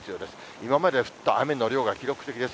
今まで降った雨の量が記録的です。